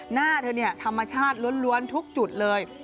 หน้าเธอธรรมชาติล้วนทุกจุดเลย